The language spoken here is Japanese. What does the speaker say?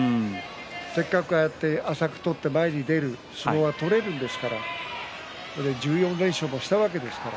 せっかくああやって浅く取って前に出る相撲が取れるんですからそれで１４連勝もしたわけですから。